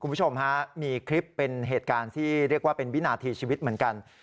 คุณผู้ชมฮะมีคลิปเป็นเหตุการณ์ที่เรียกว่าเป็นวินาทีชีวิตเหมือนกัน